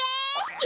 え！？